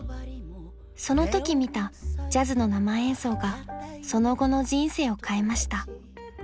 ［そのとき見たジャズの生演奏がその後の人生を変えました］